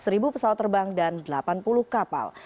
seratus ribu pesawat terbang dan delapan puluh kapal